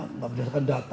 tidak berdasarkan data